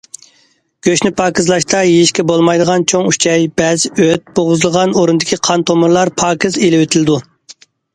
گۆشنى پاكىزلاشتا يېيىشكە بولمايدىغان چوڭ ئۈچەي، بەز، ئۆت، بوغۇزلىغان ئورۇندىكى قان تومۇرلار پاكىز ئېلىۋېتىلىدۇ.